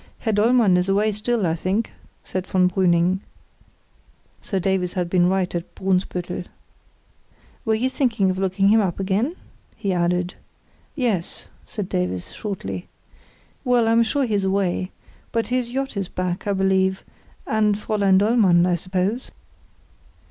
"Herr Dollmann is away still, I think," said von Brüning. (So Davies had been right at Brunsbüttel.) "Were you thinking of looking him up again?" he added. "Yes," said Davies, shortly. "Well, I'm sure he's away. But his yacht is back, I believe—and Fräulein Dollmann, I suppose."